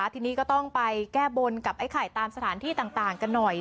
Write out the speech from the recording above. ทีนี้ก็ต้องไปแก้บนกับไอ้ไข่ตามสถานที่ต่างกันหน่อย